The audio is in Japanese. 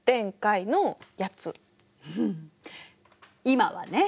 今はね！